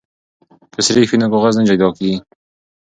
که سريښ وي نو کاغذ نه جدا کیږي.